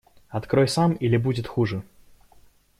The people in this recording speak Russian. Открой сам, или будет хуже!